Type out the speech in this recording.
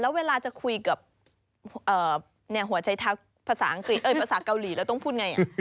แล้วเวลาจะคุยกับหัวไชเท้าภาษาเกาหลีเราต้องพูดไง